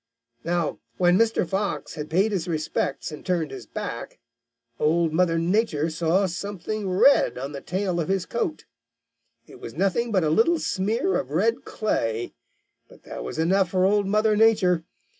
"Now when Mr. Fox had paid his respects and turned his back, Old Mother Nature saw something red on the tail of his coat. It was nothing but a little smear of red clay, but that was enough for Old Mother Nature.